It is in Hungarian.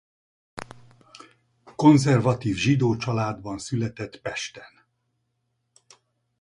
Konzervatív zsidó családban született Pesten.